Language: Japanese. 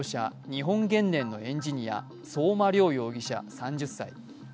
日本原燃のエンジニア、相馬諒容疑者３０歳。